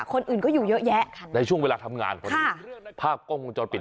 คนอื่นก็อยู่เยอะแยะค่ะในช่วงเวลาทำงานพอดีภาพกล้องวงจรปิด